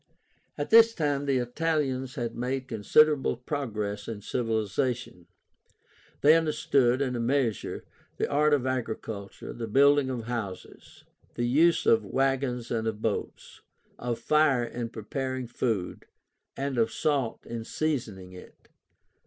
At this time the Italians had made considerable progress in civilization. They understood, in a measure, the art of agriculture; the building of houses; the use of wagons and of boats; of fire in preparing food, and of salt in seasoning it.